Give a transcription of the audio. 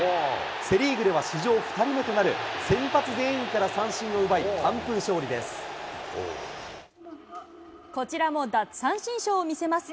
セ・リーグでは史上２人目となる、先発全員から三振を奪い、完封勝こちらも奪三振ショーを見せます。